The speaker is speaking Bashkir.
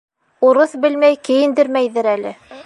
Урыҫ белмәй кейендермәйҙер әле.